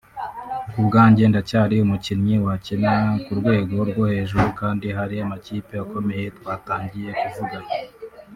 Ku bwanjye ndacyari umukinnyi wakina ku rwego rwo hejuru kandi hari amakipe akomeye twatangiye kuvugana